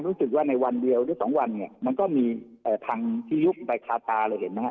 รู้สึกว่าในวันเดียวหรือสองวันเนี่ยมันก็มีพังที่ยุบไปคาตาเลยเห็นไหมฮะ